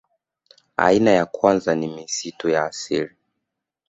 Aina ya kwanza ni misitu ya asili